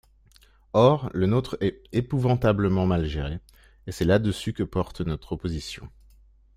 Or, le nôtre est épouvantablement mal géré, et c’est là-dessus que porte notre opposition.